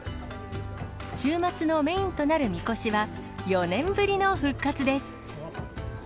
週末のメインとなるみこしは、４年ぶりの復活です。